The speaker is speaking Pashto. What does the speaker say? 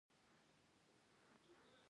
د مفتي صاحب څېړنه دې د کتاب په بڼه خپره شي.